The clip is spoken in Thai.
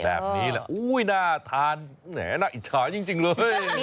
แบบนี้ละอุ๊ยน่าทานแหน่น่าอิจฉาจริงเลย